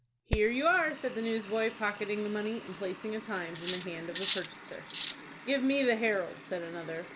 "Here you are!" said the newsboy, pocketing the money, and placing a "Times" in the hand of the purchaser. "Give me the 'Herald,'" said another.